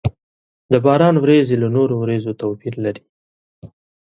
د باران ورېځې له نورو ورېځو توپير لري.